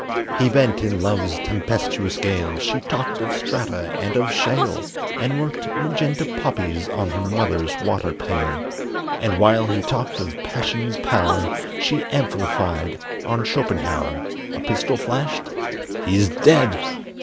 He bent in love's tempestuous gale, She talked of strata and of shale, And worked magenta poppies on Her mother's water pail; And while he talked of passion's power, She amplified on Schopenhauer A pistol flashed: he's dead!